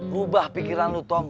rubah pikiran lo tom